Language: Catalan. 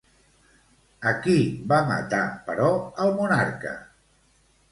A qui va matar, però, el monarca?